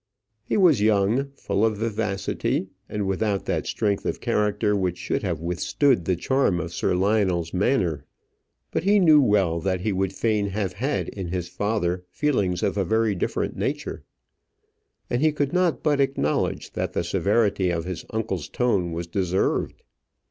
He was young, full of vivacity, and without that strength of character which should have withstood the charm of Sir Lionel's manner; but he knew well that he would fain have had in his father feelings of a very different nature, and he could not but acknowledge that the severity of his uncle's tone was deserved.